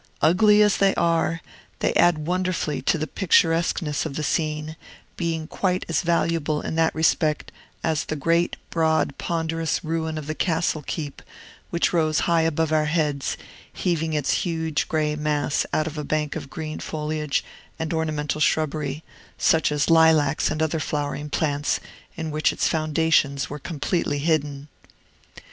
Ugly as they are, they add wonderfully to the picturesqueness of the scene, being quite as valuable, in that respect, as the great, broad, ponderous ruin of the castle keep, which rose high above our heads, heaving its huge gray mass out of a bank of green foliage and ornamental shrubbery, such as lilacs and other flowering plants, in which its foundations were completely hidden.